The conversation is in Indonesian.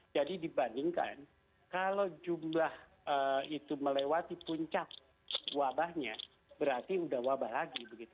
jadi dibandingkan kalau jumlah itu melewati puncak wabahnya berarti sudah wabah lagi